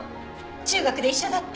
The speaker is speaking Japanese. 中学で一緒だった。